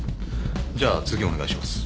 じゃあ次お願いします。